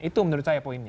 itu menurut saya poinnya